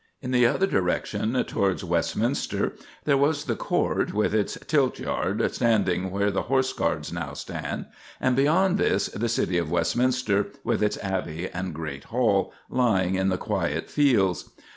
In the other direction, towards Westminster, there was the Court, with its Tiltyard, standing where the Horseguards now stand, and beyond this the city of Westminster, with its abbey and great hall, lying in the quiet fields.